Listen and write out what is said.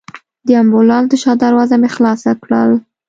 د امبولانس د شا دروازه مې خلاصه کړل.